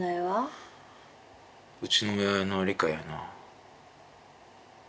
うちの親の理解やな。